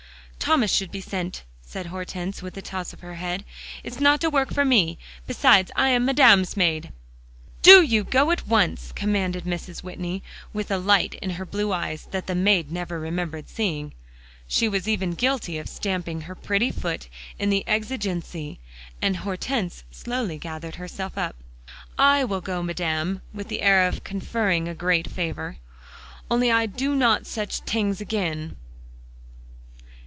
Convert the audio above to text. "Thomas should be sent," said Hortense, with a toss of her head. "It's not de work for me. Beside I am Madame's maid." "Do you go at once," commanded Mrs. Whitney, with a light in her blue eyes that the maid never remembered seeing. She was even guilty of stamping her pretty foot in the exigency, and Hortense slowly gathered herself up. "I will go, Madame," with the air of conferring a great favor, "only I do not such t'ings again."